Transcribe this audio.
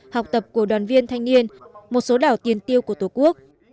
học tập của đoàn viên thanh niên một số đảo tiền tiêu của tổ quốc